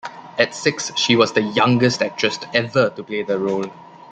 At six, she was the youngest actress ever to play the role.